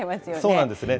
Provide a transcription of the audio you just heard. そうなんですね。